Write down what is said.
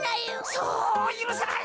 そうゆるせない。